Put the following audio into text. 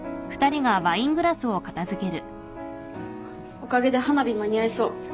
おかげで花火間に合いそう。